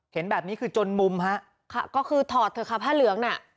เห็นแบบนี้คือจนมุมฮะค่ะก็คือถอดเถอะค่ะผ้าเหลืองน่ะ